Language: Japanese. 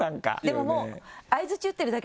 でももう。